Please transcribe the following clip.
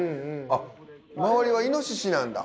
あっ周りはイノシシなんだ。